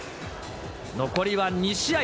残りは２試合。